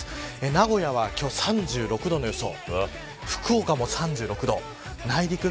名古屋は今日３６度の予想福岡も３６度。